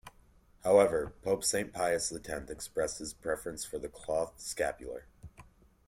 However, Pope Saint Pius the Tenth expressed his preference for the cloth scapular.